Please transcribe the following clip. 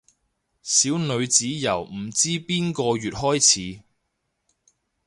小女子由唔知邊個月開始